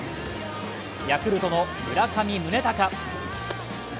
ヤクルトの村上宗隆。